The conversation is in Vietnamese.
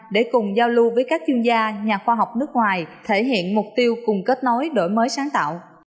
để cùng giao lưu với các chuyên gia nhà khoa học nước ngoài thể hiện mục tiêu cùng kết nối đổi mới sáng tạo